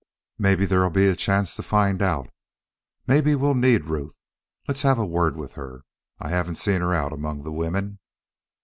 "Maybe there'll be a chance to find out. Maybe we'll need Ruth. Let's have a word with her. I haven't seen her out among the women."